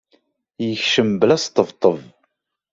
Yekcem bla asṭebṭeb.